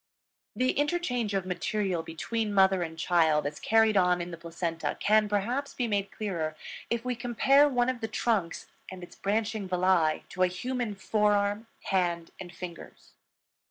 The interchange of material between mother and child as carried on in the placenta can, perhaps, be made clearer if we compare one of the trunks and its branching villi to a human forearm, hand, and fingers.